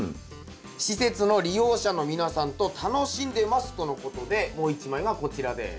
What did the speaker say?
「施設の利用者の皆さんと楽しんでます」とのことでもう一枚がこちらです。